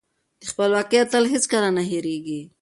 د خپلواکۍ اتل هېڅکله نه هيريږي.